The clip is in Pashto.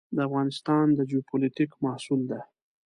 د افغانستان د جیوپولیټیک محصول ده.